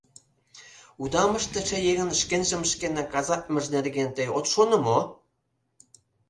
— Удам ыштыше еҥын шкенжым шке наказатлымыж нерген тый от шоно мо?